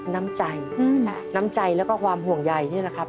น้ำใจน้ำใจแล้วก็ความห่วงใยเนี่ยนะครับ